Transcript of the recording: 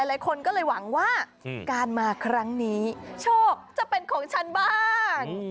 หลายคนก็เลยหวังว่าการมาครั้งนี้โชคจะเป็นของฉันบ้าง